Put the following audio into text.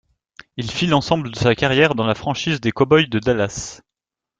Il fit l'ensemble de sa carrière dans la franchise des Cowboys de Dallas.